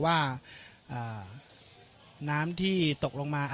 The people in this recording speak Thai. ไม่เป็นไรไม่เป็นไร